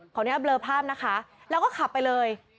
ของเนี่ยเบลอภาพนะคะแล้วก็ขับไปเลย